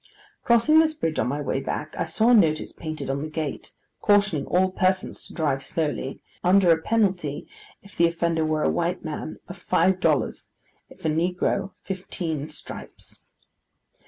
Crossing this bridge, on my way back, I saw a notice painted on the gate, cautioning all persons to drive slowly: under a penalty, if the offender were a white man, of five dollars; if a negro, fifteen stripes.